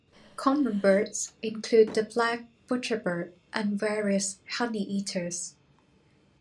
Common birds include the black butcherbird and various honeyeaters.